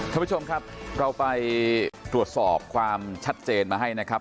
ท่านผู้ชมครับเราไปตรวจสอบความชัดเจนมาให้นะครับ